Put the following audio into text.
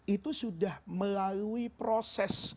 itu sudah melalui proses